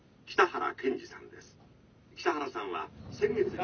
北原さんは先月２７日。